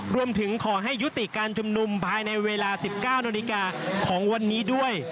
รวมถึงขอให้ยุติการชุมนุมภายในเวลา๑๙นาฬิกาของวันนี้ด้วย